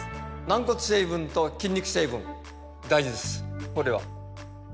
軟骨成分と筋肉成分大事です